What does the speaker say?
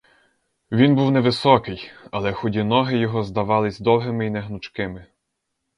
Він був невисокий, але худі ноги його здавались довгими й негнучкими.